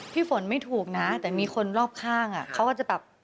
พี่ฝนไม่ถูกนะแต่มีคนรอบข้างเขาก็จะแบบ